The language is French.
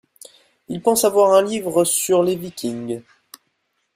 Il pense avoir un livre sur les Vikings.